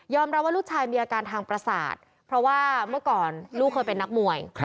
รับว่าลูกชายมีอาการทางประสาทเพราะว่าเมื่อก่อนลูกเคยเป็นนักมวย